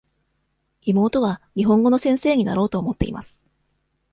妹は日本語の先生になろうと思っています。